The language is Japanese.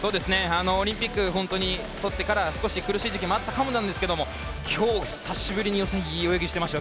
オリンピックを取ってから苦しい時期もあったと思いますけど今日、久しぶりに予選いい泳ぎしてました。